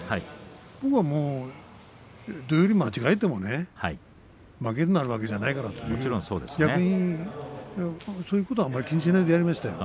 僕はもう土俵入り間違えてもね負けるわけじゃないからと逆にそういうことはあまり気にしないでやりましたよ。